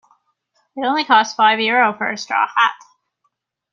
It only costs five Euro for a straw hat.